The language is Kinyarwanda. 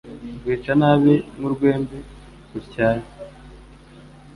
rwica nabi nk’urwembe rutyaye